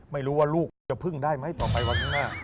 ไม่รู้ว่าลูกจะพึ่งได้ไหมต่อไปวันข้างหน้า